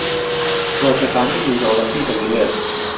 فڕۆکەخانەی نێودەوڵەتیی هەولێر